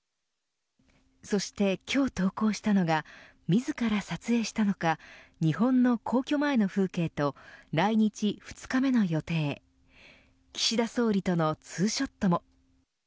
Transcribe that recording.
そして今日投稿したのが自ら撮影したのか日本の皇居前の風景と来日２日目の予定岸田総理とのツーショットも。